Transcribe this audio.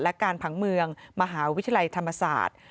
และการผังเมืองมหาวิทยาลัยธรรมศาสตร์